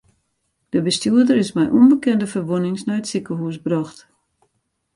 De bestjoerder is mei ûnbekende ferwûnings nei it sikehûs brocht.